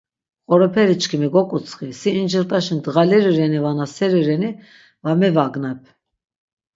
Qoroperi çkimi goǩutsxi, si incirt̆aşi dğaleri reni vana seri reni va mevagnep.